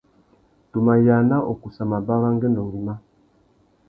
Tu mà yāna ukussa mabarú angüêndô ngüimá.